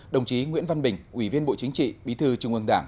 đồng chí nguyễn văn bình ủy viên bộ chính trị bí thư trung ương đảng